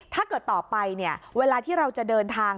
ถ้าเกิดต่อไปเวลาที่เราจะเดินทาง